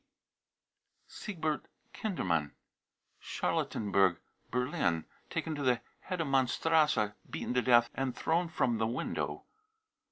(WTB.) siegbert kindermann, Charlotten burg, Berlin, taken to the Hedemannstrasse, beaten to death, and thrown from the window.